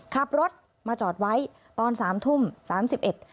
ขับรถมาจอดไว้ตอน๓ทุ่ม๓๑น